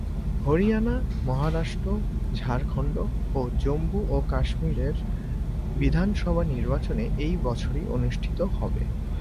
হরিয়ানা, মহারাষ্ট্র, ঝাড়খন্ড ও জম্মু ও কাশ্মিরের বিধানসভা নির্বাচনে এই বছরই অনুষ্ঠিত হবে।